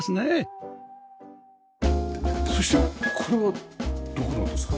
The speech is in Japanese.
そしてこれはどこのですか？